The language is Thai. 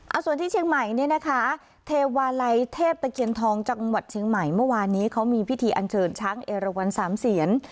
เอาส่วนที่เชียงใหม่เนี่ยนะคะเทวาลัยเทพตะเคียนทองจังหวัดเชียงใหม่เมื่อวานนี้เขามีพิธีอันเชิญช้างเอราวันสามเสียน